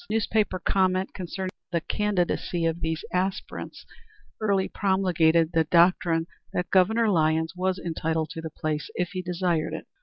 Newspaper comment concerning the candidacy of these aspirants early promulgated the doctrine that Governor Lyons was entitled to the place if he desired it.